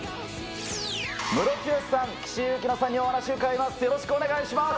ムロツヨシさん、岸井ゆきのさんにお話し伺います。